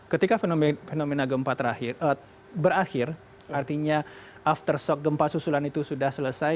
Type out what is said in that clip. ketika fenomena gempa terakhir berakhir artinya aftershock gempa susulan itu sudah selesai